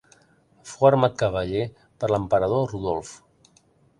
Fou armat cavaller per l'emperador Rodolf.